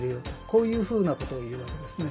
こういうふうなことを言うわけですね。